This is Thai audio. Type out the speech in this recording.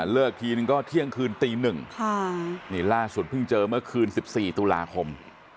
ทีนึงก็เที่ยงคืนตี๑นี่ล่าสุดเพิ่งเจอเมื่อคืน๑๔ตุลาคม